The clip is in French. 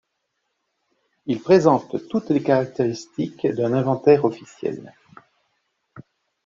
Il présente toutes les caractéristiques d'un inventaire officiel.